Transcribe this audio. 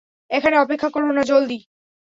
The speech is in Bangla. এখানে অপেক্ষা করো না, জলদি।